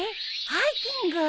ハイキング？